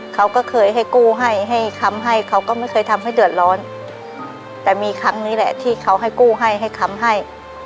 เขาก็เคยให้กู้ให้ให้คำให้เขาก็ไม่เคยทำให้เดือดร้อนแต่มีครั้งนี้แหละที่เขาให้กู้ให้ให้คำให้